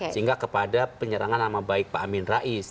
sehingga kepada penyerangan nama baik pak amin rais